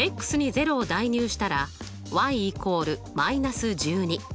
０を代入したら＝−１２。